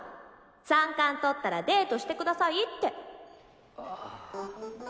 「三冠とったらデートしてください」ってあ。